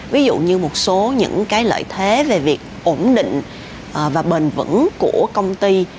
ví dụ như một số những cái lợi thế về việc ổn định và bền vững của công ty